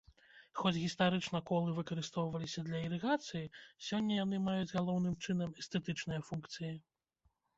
Хоць гістарычна колы выкарыстоўваліся для ірыгацыі, сёння яны маюць, галоўным чынам, эстэтычныя функцыі.